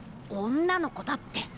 女の子だって。